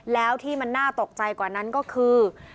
แล้วที่มันน่าตกใจกว่านั้นก็คือ